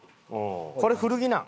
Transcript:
これ古着なん？